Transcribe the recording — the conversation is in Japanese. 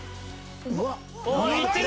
いってる！